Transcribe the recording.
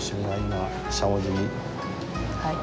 はい。